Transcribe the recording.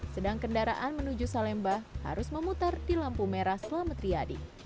sedang kendaraan menuju salemba harus memutar di lampu merah selamat riyadi